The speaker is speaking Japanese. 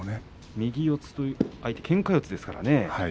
右四つ、相手けんか四つですからね。